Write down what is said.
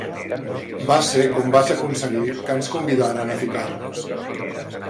Va ser com vaig aconseguir que ens convidaren a ficar-nos.